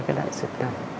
cái đại dịch này